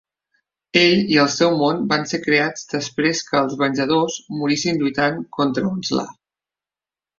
Ell i el seu món van ser creats després que els Venjadors "morissin" lluitant contra Onslaught.